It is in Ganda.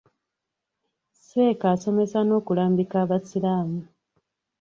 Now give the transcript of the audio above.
Seeka asomesa n'okulambika abasiraamu.